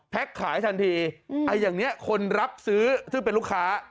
ขายทันทีอย่างนี้คนรับซื้อซึ่งเป็นลูกค้า